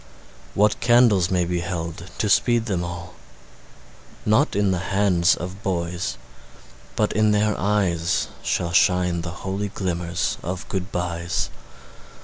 What candles may be held to speed them all? Not in the hands of boys, but in their eyes Shall shine the holy glimmers of good byes.